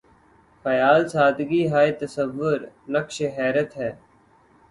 خیال سادگی ہائے تصور‘ نقشِ حیرت ہے